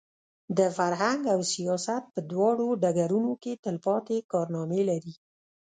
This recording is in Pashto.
د فرهنګ او سیاست په دواړو ډګرونو کې تلپاتې کارنامې لري.